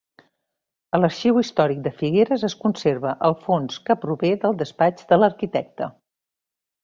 A l'Arxiu Històric de Figueres es conserva el fons que prové del despatx de l'arquitecte.